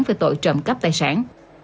về tội trộm cắp tài sản